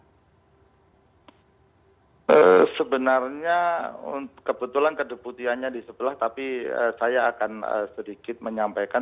karena kebetulan kedeputiannya di sebelah tapi saya akan sedikit menyampaikan